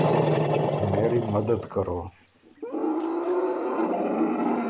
میری مدد کرو